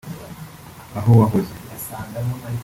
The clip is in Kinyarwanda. aho wahoze